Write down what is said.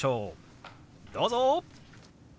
どうぞ！